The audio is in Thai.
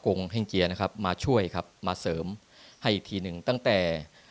งแห้งเจียนะครับมาช่วยครับมาเสริมให้อีกทีหนึ่งตั้งแต่